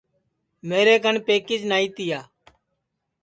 میرے کن پکیچ نائی تیا